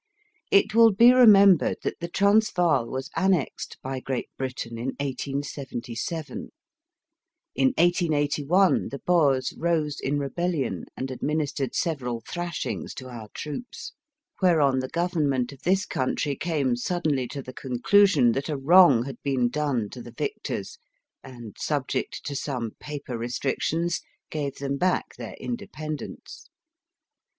It will be remembered that the Transvaal was annexed by Great Britain in 1877, In 1881 the Boers rose in rebellion and administered several thrashings to our troops, whereon the Government of this country came suddenly to the conclusion that a wrong had been done to the victors, and, subject to some paper restrictions, gave them back their inde pendence.